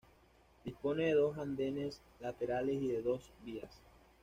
Dispone de dos andenes laterales y de dos vías.